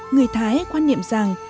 người thái quan niệm rằng